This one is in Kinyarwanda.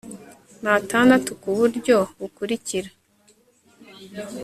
n atandatu ku buryo bukurikira